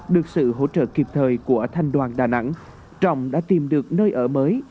được sự hỗ trợ kịp thời của thanh đoàn đà nẵng trọng đã tìm được nơi ở mới